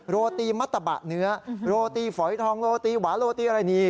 โรตีมัตตะบะเนื้อโรตีฝอยทองโรตีหวาโรตีอะไรนี่